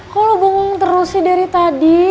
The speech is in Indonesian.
kok lo bengong terus sih dari tadi